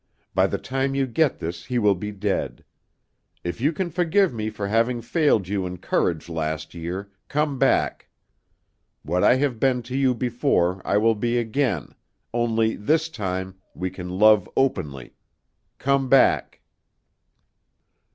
By the time you get this he will be dead. If you can forgive me for having failed you in courage last year, come back. What I have been to you before I will be again, only, this time, we can love openly. Come back.